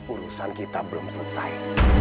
urusan kita belum selesai